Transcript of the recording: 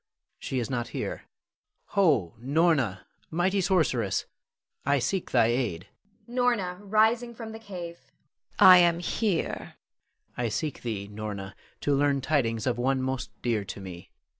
She is not here. Ho, Norna, mighty sorceress! I seek thy aid. Norna [rising from the cave]. I am here. Louis. I seek thee, Norna, to learn tidings of one most dear to me.